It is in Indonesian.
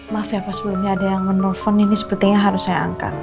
maaf ya pak sebelumnya ada yang menelpon ini sepertinya harus saya angkat